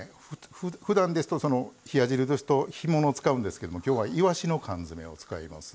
ふだんですと冷や汁ですと干物を使うんですけどきょうはいわしの缶詰を使います。